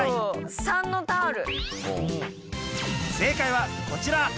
正解はこちら！